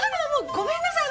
ごめんなさい